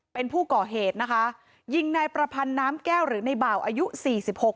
เป็นผู้ก่อเหตุนะคะยิงนายประพันธ์น้ำแก้วหรือในบ่าวอายุสี่สิบหก